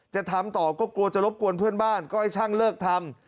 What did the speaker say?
จะทำต่อก็กลัวจะรบกวนเพื่อนบ้านก็ให้ช่างเลิกทำ